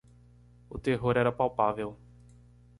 O terror era palpável.